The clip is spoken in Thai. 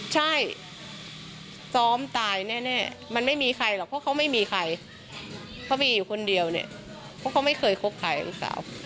ใช่ซ้อมตายแน่มันไม่มีใครหรอกเพราะเขาไม่มีใครเขามีอยู่คนเดียวเนี่ยเพราะเขาไม่เคยคบใครลูกสาว